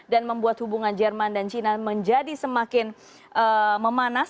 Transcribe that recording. dan membuat hubungan jerman dan china menjadi semakin memanas